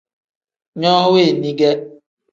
No weni ge.